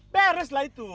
beres lah itu